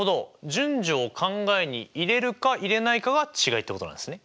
順序を考えに入れるか入れないかが違いってことなんですね。